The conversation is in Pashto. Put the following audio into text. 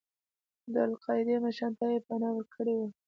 د القاعدې مشرانو ته یې پناه ورکړې وه.